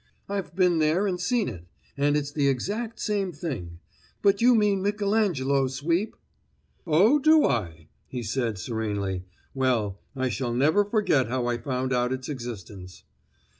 "I've been there and seen it, and it's the exact same thing. But you mean Michelangelo, Sweep!" "Oh, do I?" he said serenely. "Well, I shall never forget how I found out its existence."